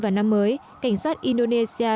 và năm mới cảnh sát indonesia